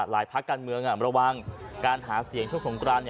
ภาคการเมืองระวังการหาเสียงช่วงสงกราน